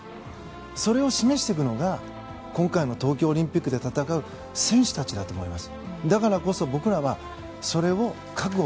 それを示していくのが今回の東京オリンピックで戦う選手たちだと思います。